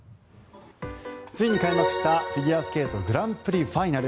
ついに開幕したフィギュアスケートグランプリファイナル。